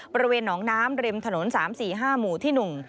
บริเวณหนองน้ำริมถนน๓๔๕หมู่ที่๑